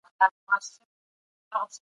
ولې خلک په طبقاتو وېشل کیږي؟